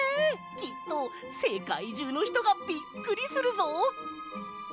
きっとせかいじゅうのひとがびっくりするぞ！